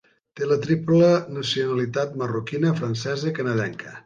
Té la triple nacionalitat marroquina, francesa i canadenca.